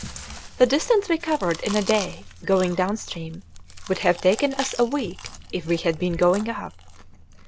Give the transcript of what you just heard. The distance we covered in a day going down stream would have taken us a week if we had been going up.